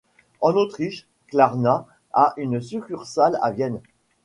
En Autriche, Klarna a une succursale à Vienne.